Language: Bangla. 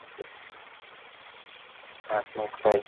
তোমার মোটা মাথার প্রতীক হিসেবে ম্যামথ?